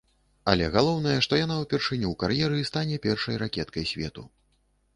Але галоўнае, што яна ўпершыню ў кар'еры стане першай ракеткай свету.